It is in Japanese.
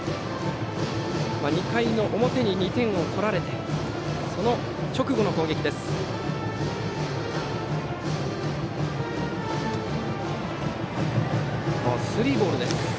２回の表に２点を取られてその直後の攻撃です。